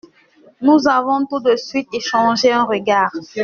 Nous avons tout de suite échangé un regard.